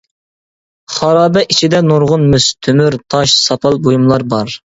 خارابە ئىچىدە نۇرغۇن مىس، تۆمۈر، تاش، ساپال بۇيۇملار بار.